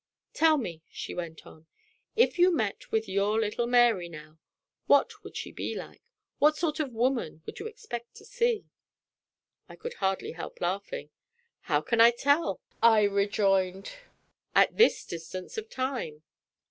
"Tell me," she went on. "If you met with your little Mary now, what would she be like? What sort of woman would you expect to see?" I could hardly help laughing. "How can I tell," I rejoined, "at this distance of time?"